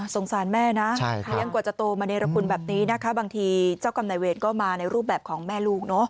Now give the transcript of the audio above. สงสารแม่นะยังกว่าจะโตมาเนรพคุณแบบนี้นะครับบางทีเจ้ากำไหนเวทก็มาในรูปแบบของแม่ลูกเนอะ